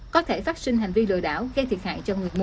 có thể phát sinh hành vi lừa đảo gây thiệt hại cho người mua